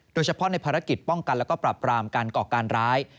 โดยเฉพาะในภารกิจป้องกันแล้วก็ปรับปรามการก่อการร้าย